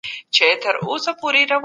چې تږي اوبه کړو.